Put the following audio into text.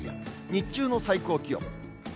日中の最高気温。